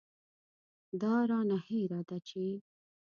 دا رانه هېره ده چې.